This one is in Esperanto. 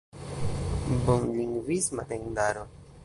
bonlingvisma tendaro.